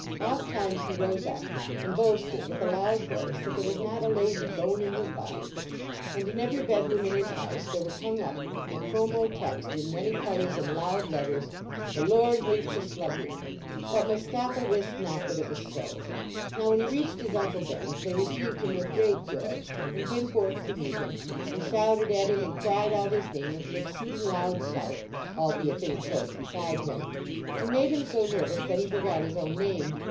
Ofttimes he rose up and boasted with a loud voice that there was not a lazy bone in his body. And in every bed room in his house there was hung up a chromo tcxt in many colors and loud letters " The Lord Hates a Sluggard." But Mustapha wist not that it was so. Now, when he reached his Uncle Ben .s they received him with great joy, and canu forth to meet him, and shouted at him and cried out his name with an exceeding loud shout, albeit they were close beside him, and made him so nervous that he forgot his own name.